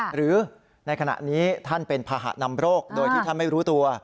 หรือในขณะนี้ท่านเป็นภาหะนำโรคโดยที่ท่านไม่รู้ตัว